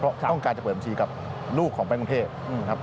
เพราะต้องการจะเปิดบัญชีกับลูกของแปลงกรุงเทพฯ